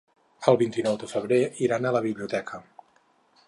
El vint-i-nou de febrer iran a la biblioteca.